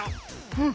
うん。